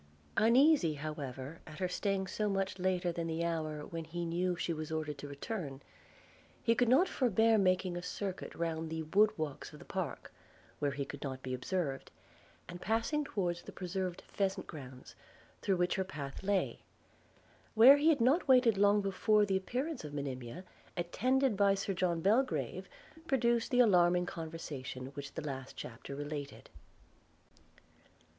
Uneasy, however, at her staying so much later than the hour when he knew she was ordered to return, he could not forbear making a circuit round the wood walks of the park, where he could not be observed, and passing towards the preserved pheasant grounds, through which her path lay; where he had not waited long before the appearance of Monimia, attended by Sir John Belgrave, produced the alarming conversation which the last chapter related.